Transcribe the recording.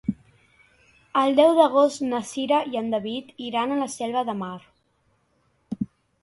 El deu d'agost na Cira i en David iran a la Selva de Mar.